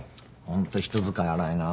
ホント人使い荒いなあ